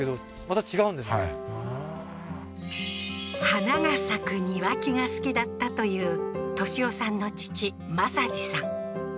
花が咲く庭木が好きだったという敏夫さんの父政治さん